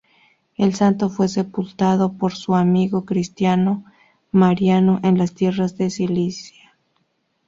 El santo fue sepultado por su amigo cristiano, Mariano, en las tierras de Cilicia.